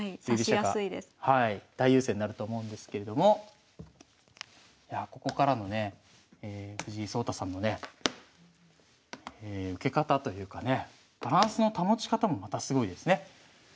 振り飛車が大優勢になると思うんですけれどもここからのね藤井聡太さんのね受け方というかねバランスの保ち方もまたすごいですね。